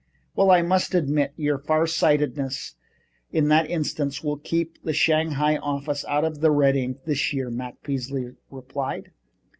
"Well, I must admit your far sightedness in that instance will keep the Shanghai office out of the red ink this year," Matt Peasley replied.